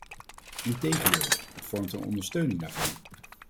Integendeel, het vormt een ondersteuning daarvan.